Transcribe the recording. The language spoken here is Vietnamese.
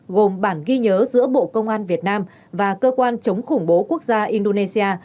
gồm bản ghi nhớ giữa bộ công an việt nam và cơ quan chống khủng bố quốc gia indonesia